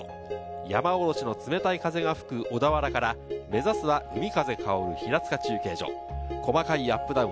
山おろしの冷たい風が吹く小田原から目指すは海風かおる平塚中継所、細かいアップダウン。